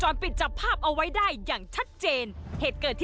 ต่นห้ามสามีแล้วเพราะไม่อยากมีเรื่องแต่สุดท้ายสามีไม่เชื่อจึงเกิดเหตุจนได้